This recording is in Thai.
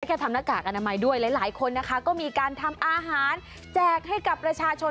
แค่ทำลักษณ์อาการรับใหม่ด้วยและหลายคนนะคะก็มีการทำอาหารแจกให้กับประชาชน